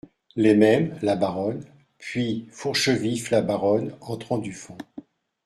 Les mêmes, la Baronne ; puis Fourchevif La Baronne , entrant du fond.